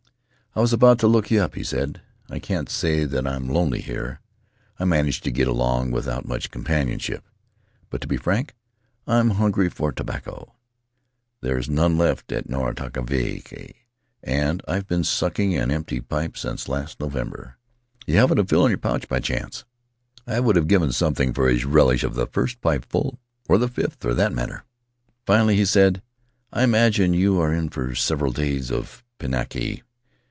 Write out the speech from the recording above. "I was about to look you up," he said. "I can't say that I'm lonely here. I manage to get along with out much companionship. But to be frank, I'm hun gry for tobacco. There's none left at Nukatavake, and I've been sucking an empty pipe since last November. You haven't a fill in your pouch by any chance?' I would have given something for his relish of the first pipeful, or the fifth, for that matter. Finally he said: "I imagine you are in for several days of Pinaki.